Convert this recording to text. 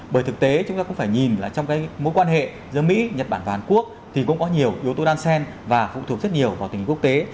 bởi thực tế chúng ta cũng phải nhìn là trong cái mối quan hệ giữa mỹ nhật bản và hàn quốc thì cũng có nhiều yếu tố đan sen và phụ thuộc rất nhiều vào tình hình quốc tế